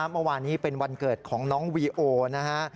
เมื่อวานนี้เป็นวันเกิดของน้องวีโอนะฮะ